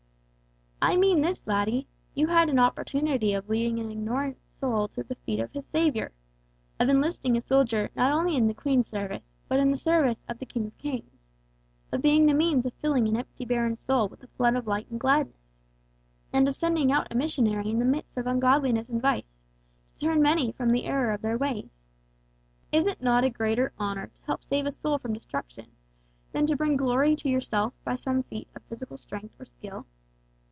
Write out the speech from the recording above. "I mean this, laddie, you had an opportunity of leading an ignorant soul to the feet of his Saviour; of enlisting a soldier not only in the Queen's service but in the service of the King of Kings; of being the means of filling an empty barren soul with a flood of light and gladness; and of sending out a missionary in the midst of ungodliness and vice, to turn many from the error of their ways. Is it not a greater honor to help to save a soul from destruction, than bring glory to yourself by some feat of physical strength or skill?